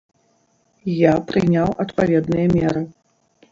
Я прыняў адпаведныя меры.